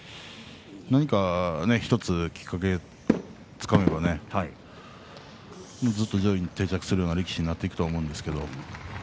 何か１つきっかけをつかめばずっと上位に定着するような力士になっていくと思うんですが。